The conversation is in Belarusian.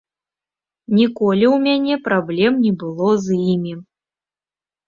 Ніколі ў мяне праблем не было з імі.